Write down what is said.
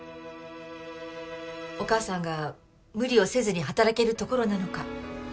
お母さんが無理をせずに働けるところなのか。